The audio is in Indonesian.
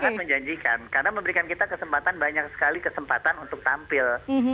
sangat menjanjikan karena memberikan kita kesempatan banyak sekali kesempatan untuk tampil